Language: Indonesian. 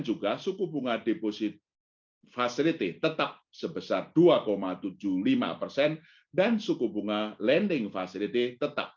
juga suku bunga deposit facility tetap sebesar dua tujuh puluh lima persen dan suku bunga lending facility tetap